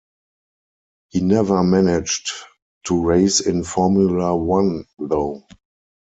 He never managed to race in Formula One though.